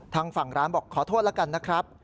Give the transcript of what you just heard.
ทางฝั่งร้านบอกขอโทษแล้วกันนะครับ